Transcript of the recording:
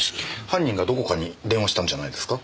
犯人がどこかに電話したんじゃないですか？